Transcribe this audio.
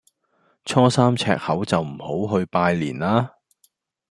初三赤口就唔好去拜年啦